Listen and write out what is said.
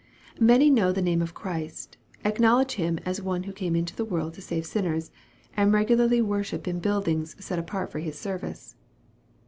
Many know the name of Christ, acknowledge Him as one who came into the world to save sinners, and regularly worship in buildings set apart for His service.